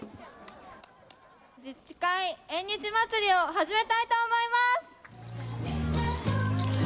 自治会縁日祭りを始めたいと思います。